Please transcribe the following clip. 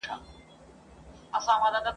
ګناهکاران يو بل تشويقوي.